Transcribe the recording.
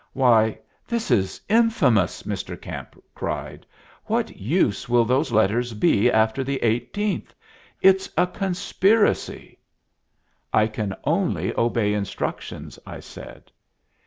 "Why, this is infamous!" Mr. Camp cried. "What use will those letters be after the eighteenth? It's a conspiracy." "I can only obey instructions," I said.